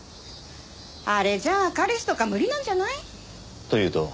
あれじゃ彼氏とか無理なんじゃない？というと？